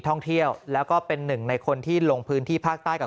ท่องเที่ยวแล้วก็เป็นหนึ่งในคนที่ลงพื้นที่ภาคใต้กับ